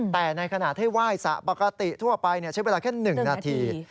แต่ในขณะให้ไหว้สระปกติทั่วไปใช้เวลาแค่๑นาที